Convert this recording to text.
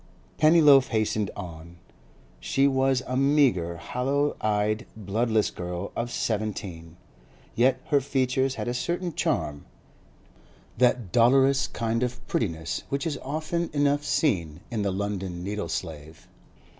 Pennyloaf hastened on. She was a meagre, hollow eyed, bloodless girl of seventeen, yet her features had a certain charm—that dolorous kind of prettiness which is often enough seen in the London needle slave.